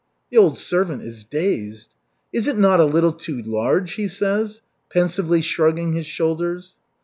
The old servant is dazed. "Is it not a little too large?" he says, pensively shrugging his shoulders.